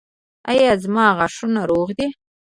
ایا زما غاښونه روغ دي؟